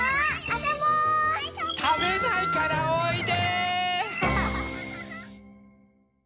たべないからおいで！